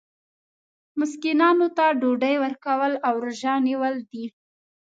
مسکینانو ته ډوډۍ ورکول او روژه نیول دي.